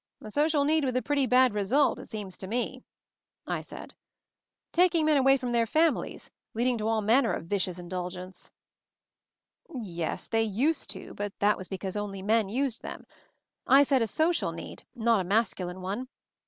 "A social need with a pretty bad result, it seem, to me » I «ii "Tatog men away from their families, leading to all manner of vicious indulgence/' "Yes, they used to; but that was because only men used them. I said a social need, not a masculine one.